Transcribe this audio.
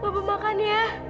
bapak makan ya